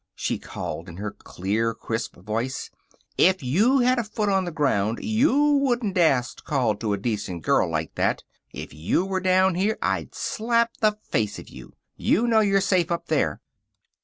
she called, in her clear, crisp voice. "If you had your foot on the ground you wouldn't dast call to a decent girl like that. If you were down here I'd slap the face of you. You know you're safe up there."